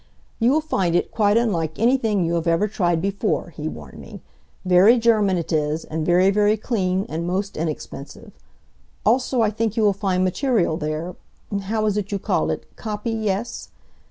"You will find it quite unlike anything you have ever tried before," he warned me. "Very German it is, and very, very clean, and most inexpensive. Also I think you will find material there how is it you call it? copy, yes?